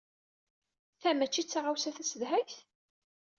Ta mačči d taɣawsa tasedhayt?